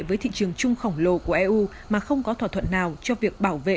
với thị trường chung khổng lồ của eu mà không có thỏa thuận nào cho việc bảo vệ